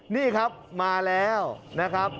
นี่ครับมาแล้วนะครับ